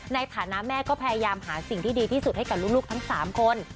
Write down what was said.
ในฐานะแม่ก็พยายามหาสิ่งที่ดีที่สุดให้กับลูกทั้ง๓คน